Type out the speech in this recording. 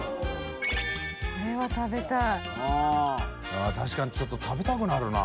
◆舛確かにちょっと食べたくなるな。